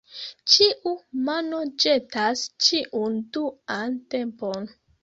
Ĉiu mano ĵetas ĉiun duan tempon.